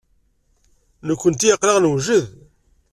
Nekkenti aql-aɣ newjed?